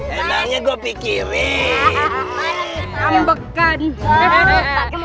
enaknya gue pikirin